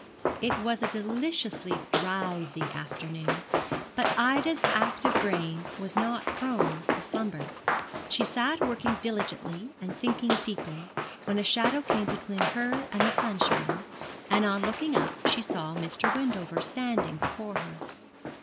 It was a deliciously drowsy afternoon, but Ida's active brain was not prone to slumber. She sat working diligently and thinking deeply, when a shadow came between her and the sunshine and on looking up she saw Mr. Wendover standing before her.